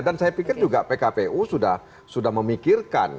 dan saya pikir juga pkpu sudah memikirkan